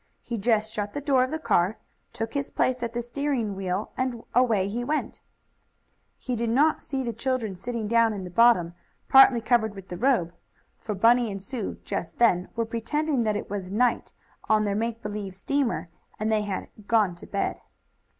He just shut the door of the car, took his place at the steering wheel and away he went. He did not see the children sitting down in the bottom, partly covered with the robe. For Bunny and Sue, just then, were pretending that it was night on their make believe steamer, and they had "gone to bed."